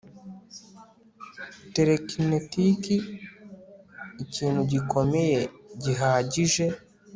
telekinetic ikintu gikomeye gihagije